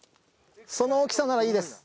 その大きさならいいです。